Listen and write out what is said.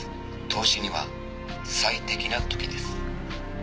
「投資には最適な時です」